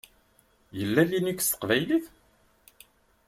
Yella Linux s teqbaylit?